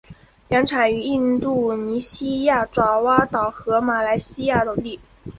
原产于印度尼西亚爪哇岛和马来西亚等地。